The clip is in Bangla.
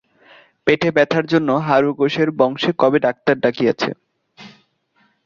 পেটে ব্যথার জন্য হারু ঘোষের বংশে কবে ডাক্তার ডাকিয়াছে?